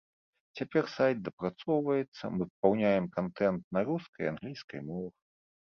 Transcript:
Цяпер сайт дапрацоўваецца, мы папаўняем кантэнт на рускай і англійскай мовах.